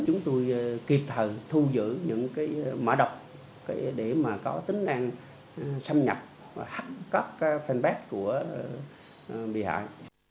chúng tôi kịp thời thu giữ những mở đọc để có tính năng xâm nhập các fanpage của bị hại